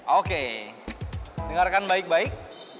oke dengarkan baik baik